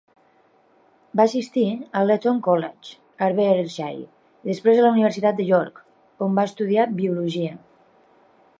Va assistir a l'Eton College, a Berkshire, i després a la Universitat de York, on va estudiar Biologia.